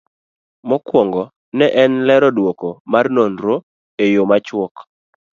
Mokwongo, ne en lero duoko mar nonro e yo machuok